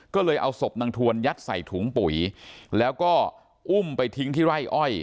ก็เลยเอาศพนางทวนยัดใส่ถุงปุ๋ยแล้วก็อุ้มไปทิ้งที่ไร่อ้อย